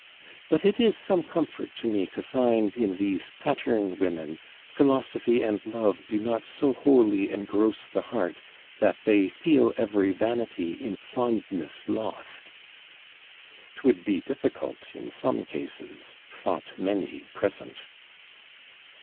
'But it is some comfort to me to find, in these pattern women, philosophy and love do not so wholly engross the heart, that they "feel every vanity in fondness lost."' ''Twould be difficult, in some cases,' thought many present.